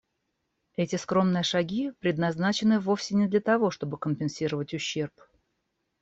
Эти скромные шаги предназначены вовсе не для того, чтобы компенсировать ущерб.